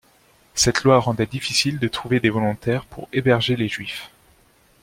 Cette loi rendait difficile de trouver des volontaires pour héberger les Juifs.